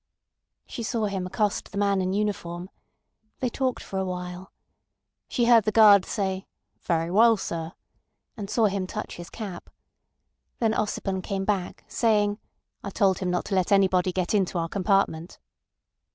She saw him accost the man in uniform. They talked for a while. She heard the guard say "Very well, sir," and saw him touch his cap. Then Ossipon came back, saying: "I told him not to let anybody get into our compartment."